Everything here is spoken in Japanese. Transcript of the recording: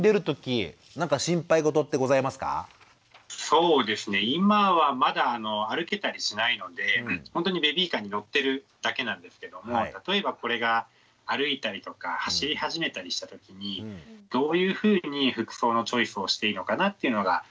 そうですね今はまだ歩けたりしないのでほんとにベビーカーに乗ってるだけなんですけども例えばこれが歩いたりとか走り始めたりした時にどういうふうに服装のチョイスをしていいのかなっていうのが。